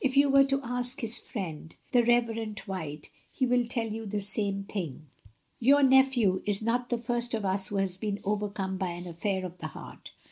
77 you were to ask his friend, the Reverend White, he will tell you the same thing. Your nephew is not the first of us who has been overcome by an affair of the heart.